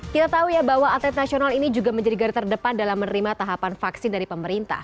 kita tahu ya bahwa atlet nasional ini juga menjadi gar terdepan dalam menerima tahapan vaksin dari pemerintah